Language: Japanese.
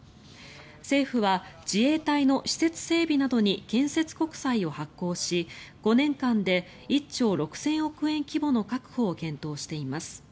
政府は自衛隊の施設整備などに建設国債を発行し５年間で１兆６０００億円規模の確保を検討しています。